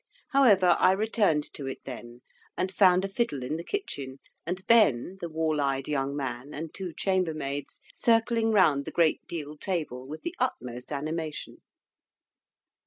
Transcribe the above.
However, I returned to it then, and found a fiddle in the kitchen, and Ben, the wall eyed young man, and two chambermaids, circling round the great deal table with the utmost animation.